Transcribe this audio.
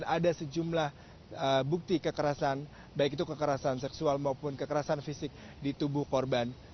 ada sejumlah bukti kekerasan baik itu kekerasan seksual maupun kekerasan fisik di tubuh korban